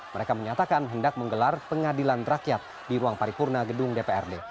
mereka menyatakan hendak menggelar pengadilan rakyat di ruang paripurna gedung dprd